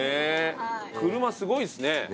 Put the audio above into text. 車すごいっすね。